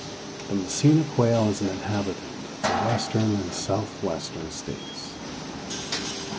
The massena quail is an inhabitant of the western and southwestern states.